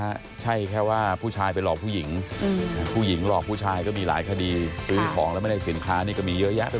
ไม่ใช่แค่ว่าผู้ชายไปหลอกผู้หญิงผู้หญิงหลอกผู้ชายก็มีหลายคดีซื้อของแล้วไม่ได้สินค้านี่ก็มีเยอะแยะไป